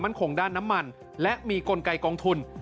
คงด้านน้ำมันและมีกลไกกองทุน